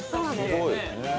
すごい。